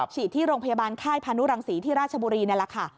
ฉีดที่โรงพยาบาลค่ายพานุรังศรีที่ราชบุรีนี่แหละค่ะ